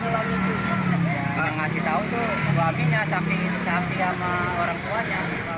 yang ngasih tahu itu buaminya sampai tercapi sama orang tuanya